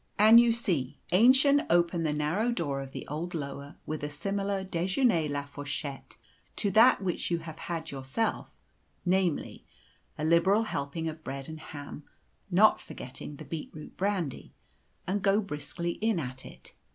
And you see Aennchen open the narrow door of the old lower, with a similar déjeuner à la fourchette to that which you have had yourself, namely, a liberal helping of bread and ham, not forgetting the beetroot brandy, and go briskly in at it.